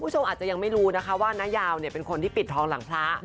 คุณผู้ชมอาจจะยังไม่รู้นะคะว่านายาวเป็นคนที่ปิดทองหลังพระ